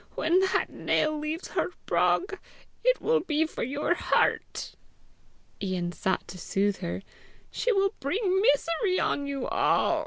"When that nail leaves her brog, it will be for your heart." Ian sought to soothe her. "She will bring misery on you all!"